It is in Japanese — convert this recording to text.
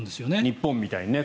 日本みたいにね。